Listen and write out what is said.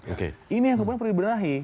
oke ini yang kemudian perlu dibenahi